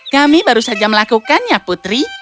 kami baru saja melakukannya putri